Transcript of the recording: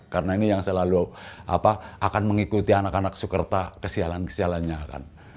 karena ini yang selalu akan mengikuti anak anak sukerta kesialan kesialannya akan